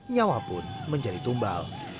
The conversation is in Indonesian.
nyawa pun menjadi tumbal